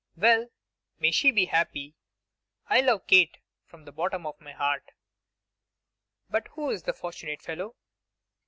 'Well! may she be happy! I love Kate from the bottom of my heart. But who is the fortunate fellow?